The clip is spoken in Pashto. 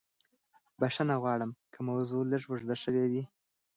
بښنه غواړم که موضوع لږه اوږده شوې وي.